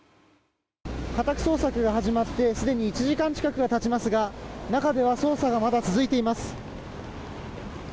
家宅捜索が始まってすでに１時間近くが経ちますが中では捜査がまだ続いています。